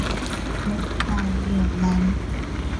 ลดความเหลื่อมล้ำ